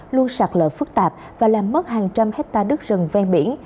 luôn sạt lở phức tạp và làm mất hàng trăm hectare đất rừng ven biển